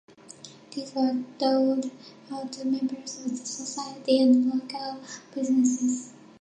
These were doled out to members of the society and local businesses.